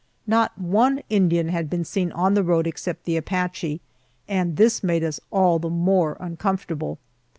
Not one Indian had been seen on the road except the Apache, and this made us all the more uncomfortable.